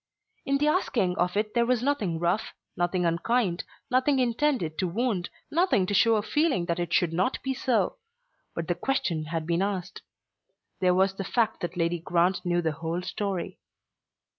In the asking of it there was nothing rough, nothing unkind, nothing intended to wound, nothing to show a feeling that it should not be so; but the question had been asked. There was the fact that Lady Grant knew the whole story.